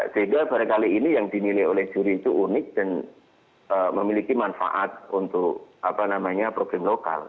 sehingga barangkali ini yang dinilai oleh juri itu unik dan memiliki manfaat untuk problem lokal